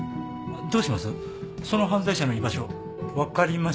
どうします？